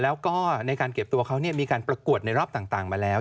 แล้วก็ในการเก็บตัวเขามีการประกวดในรอบต่างมาแล้ว